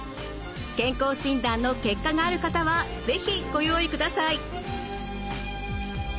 健康診断の結果がある方は是非ご用意ください。